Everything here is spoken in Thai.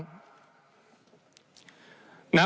ตัวช้าง